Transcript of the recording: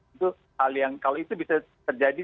itu hal yang kalau itu bisa terjadi